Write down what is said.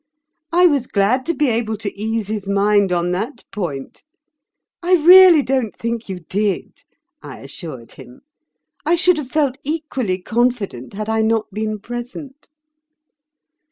I was glad to be able to ease his mind on that point. 'I really don't think you did,' I assured him. I should have felt equally confident had I not been present."